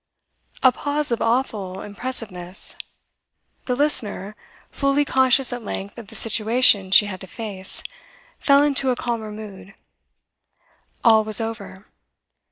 A pause of awful impressiveness. The listener, fully conscious at length of the situation she had to face, fell into a calmer mood. All was over.